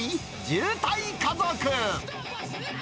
渋滞家族。